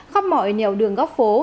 khắp mọi nẻo đường góc phố